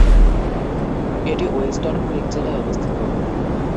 এটি ওয়েস্টন ক্রিক জেলায় অবস্থিত।